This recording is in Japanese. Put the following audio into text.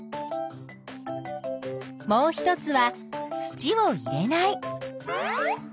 もう一つは土を入れない。